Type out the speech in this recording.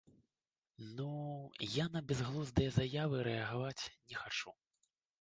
Ну-у, я на бязглуздыя заявы і рэагаваць не хачу.